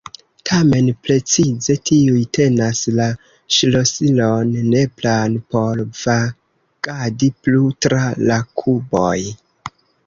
Tamen precize tiuj tenas la ŝlosilon nepran por vagadi plu tra la kuboj.